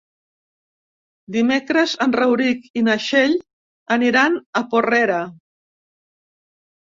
Dimecres en Rauric i na Txell aniran a Porrera.